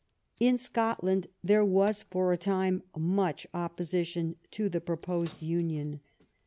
In Scotland there was for a time much opposition to the proposed union.